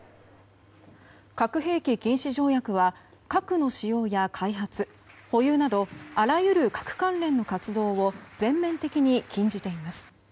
核兵器禁止条約は核の使用や開発保有などあらゆる核関連の活動を全面的に禁じています。